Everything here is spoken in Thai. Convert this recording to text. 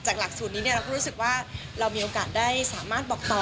หลักสูตรนี้เราก็รู้สึกว่าเรามีโอกาสได้สามารถบอกต่อ